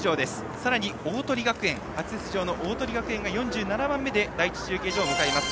さらに、初出場の鵬学園が４７番目で第１中継所を迎えます。